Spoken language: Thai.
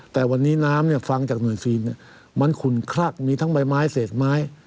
แต่วันนี้น้ำฟังจากหน่วยซีนมันขุนคลักมีทั้งใบไม้เศษไม้